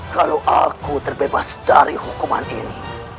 kalau aku terbebas dari hukuman ini